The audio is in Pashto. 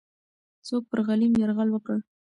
څوک پر غلیم یرغل وکړ؟